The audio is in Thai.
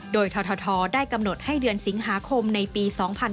โดยททได้กำหนดให้เดือนสิงหาคมในปี๒๕๕๙